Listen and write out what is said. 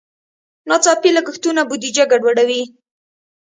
ناڅاپي لګښتونه بودیجه ګډوډوي.